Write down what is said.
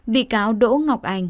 bị cáo đỗ ngọc anh